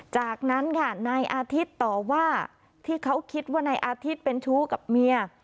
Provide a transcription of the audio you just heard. จากนั้นค่ะนายอาทิตย์ต่อว่าที่เขาคิดว่านายอาทิตย์เป็นชู้กับเมีย